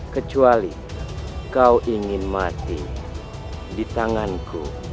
kecuali kau ingin mati di tanganku